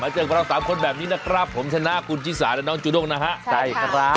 เจอกับเราสามคนแบบนี้นะครับผมชนะคุณชิสาและน้องจูด้งนะฮะใช่ครับ